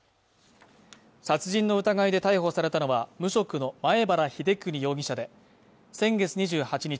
殺人の疑いで逮捕されたのは無職の前原英邦容疑者で先月２８日